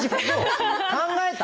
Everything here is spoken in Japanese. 考えた？